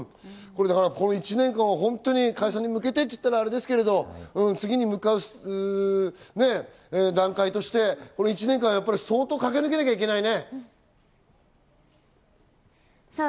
１年間は解散に向けてと言ったらアレですけど、次に向かう段階として、１年間、相当駆け抜けなきゃいけないね。